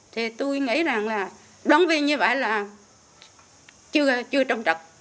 thì tôi nghĩ rằng là đón viên như vậy là chưa trông trật